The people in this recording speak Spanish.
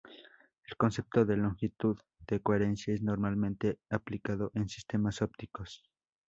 El concepto de "longitud de coherencia" es normalmente aplicado en sistemas ópticos.